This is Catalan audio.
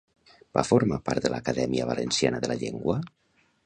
Va formar part de l'Acadèmia Valenciana de la Llengua?